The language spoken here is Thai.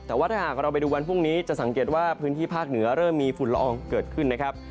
แต่ว่าถ้าหากเราไปดูวันพรุ่งนี้จะสังเกตว่าพื้นที่ภาคเหนือเริ่มมีฝุ่นละอองเกิดขึ้นนะครับ